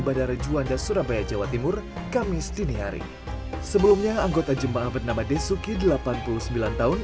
bandara juanda surabaya jawa timur kamis dini hari sebelumnya anggota jemaah bernama desuki delapan puluh sembilan tahun